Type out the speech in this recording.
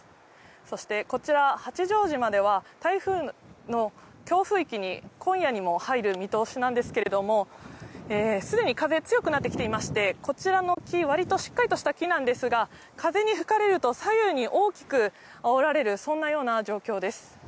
そして、こちら八丈島では台風の強風域に今夜にも入る見通しなんですけれども、既に風強くなってきていまして、こちらの木、わりとしっかりとした木なんですが、風に吹かれると左右に大きく煽られる、そんなような状況です。